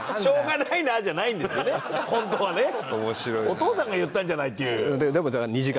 お父さんが言ったんじゃないっていう。